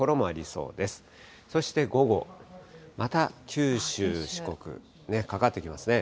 そして午後、また、九州、四国、かかってきますね。